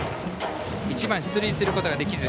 １番、出塁することができず。